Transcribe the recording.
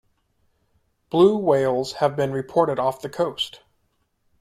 Blue whales have been reported off the coast.